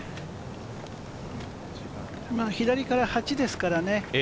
左から８ですからね。